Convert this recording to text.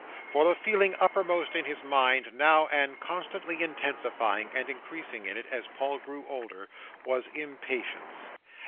For the feeling uppermost in his mind, now and constantly intensifying, and increasing in it as Paul grew older, was impatience.